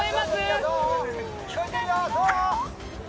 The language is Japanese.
聞こえてるよ、どう？